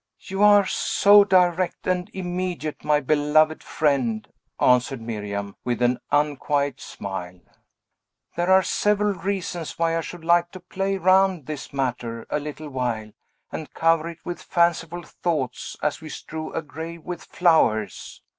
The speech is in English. "You are so direct and immediate, my beloved friend!" answered Miriam with an unquiet smile. "There are several reasons why I should like to play round this matter a little while, and cover it with fanciful thoughts, as we strew a grave with flowers."